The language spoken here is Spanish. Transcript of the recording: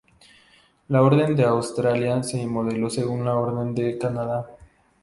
La Orden de Australia se modeló según la Orden de Canadá.